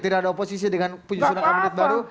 tidak ada oposisi dengan penyusunan kabinet baru